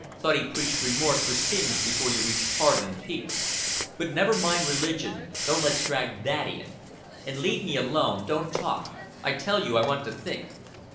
"Thought He preached remorse for sins before you reach pardon and peace. But never mind religion don't let's drag that in. And leave me alone. Don't talk. I tell you I want to think."